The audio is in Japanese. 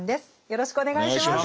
よろしくお願いします。